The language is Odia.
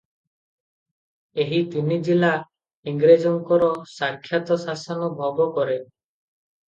ଏହି ତିନିଜିଲା ଇଂରେଜଙ୍କର ସାକ୍ଷାତ୍ଶାସନ ଭୋଗ କରେ ।